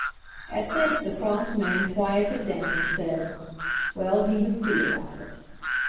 At this the cross man quieted down and said, Well, he would see about it.